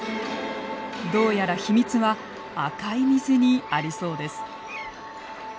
どうやら秘密は赤い水にありそうです。